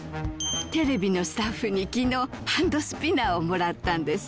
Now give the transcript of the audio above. テレビのスタッフにきのう、ハンドスピナーをもらったんです。